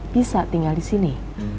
bisa tinggal di sini